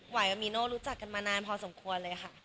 วายกับมีโน่รู้จักกันมานานพอสมควรเลยค่ะ